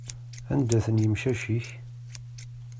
Anda-ten yimcac-ik?